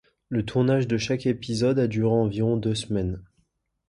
Le tournage de chaque épisode a duré environ deux semaines.